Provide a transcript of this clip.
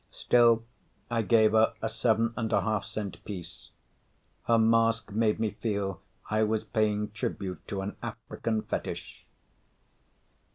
Still, I gave her a seven and a half cent piece. Her mask made me feel I was paying tribute to an African fetish.